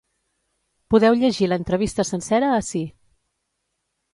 Podeu llegir l’entrevista sencera ací.